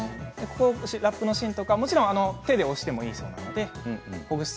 ラップの芯とかもちろん手で押してもいいです。